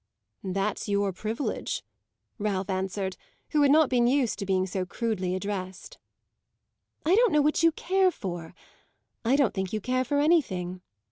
"That's your privilege," Ralph answered, who had not been used to being so crudely addressed. "I don't know what you care for; I don't think you care for anything.